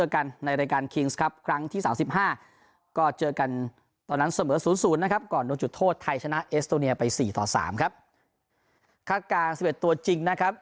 คาดการณ์๑๑ตัวจริงนะครับ